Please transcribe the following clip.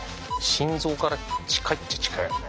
心臓から近いっちゃ近いよね。